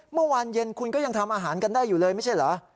เมื่อวานเย็นคุณก็ยังทำอาหารกันได้อยู่เลยไม่ใช่เหรอ